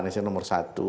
indonesia nomor satu